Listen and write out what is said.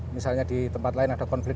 misalnya di tempat lain ada konflik